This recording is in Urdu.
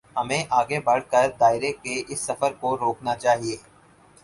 ہمیں آگے بڑھ کر دائرے کے اس سفر کو روکنا چاہیے۔